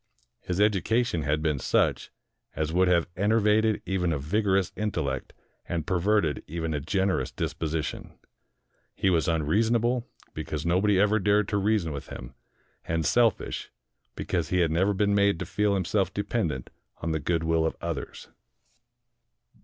His education had been such as would have enervated even a vigorous intellect and perverted even a generous disposition. He was un reasonable, because nobody ever dared to reason with him, and selfish, because he had never been made to feel himself dependent on the good will of others.